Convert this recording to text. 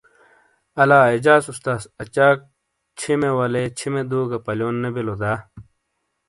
الا اعجاز استاس اچاک چھِیمے والے چھِیمے دُو گہ پالیون نے بلیو دا؟